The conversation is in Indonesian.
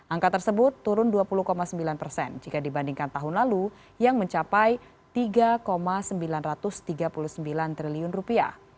angka tersebut turun dua puluh sembilan persen jika dibandingkan tahun lalu yang mencapai tiga sembilan ratus tiga puluh sembilan triliun rupiah